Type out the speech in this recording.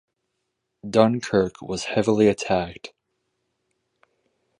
Dunkirk was heavily attacked.